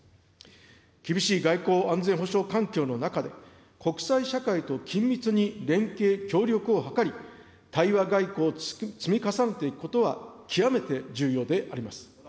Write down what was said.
厳しい外交・安全保障の環境の中で、国際社会と緊密に連携、協力を図り、対話外交を積み重ねていくことは、極めて重要であります。